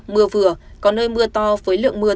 mưa vừa có nơi mưa to với lượng mưa